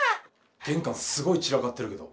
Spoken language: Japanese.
玄関すごい散らかってるけど。